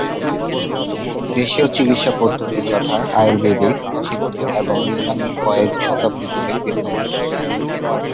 দেশীয় চিকিৎসা পদ্ধতি, যথা, আয়ুর্বেদিক, সিদ্ধ এবং ইউনানী কয়েক শতাব্দী ধরে বিদ্যমান।